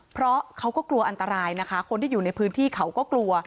เพราะเขาก็กลัวอันตรายนะคะคนที่อยู่ในพื้นที่เขาก็กลัว